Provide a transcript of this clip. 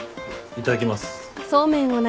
いただきます。